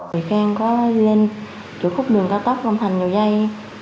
bị can có lên chỗ khúc đường cao tốc trong thành nhiều dây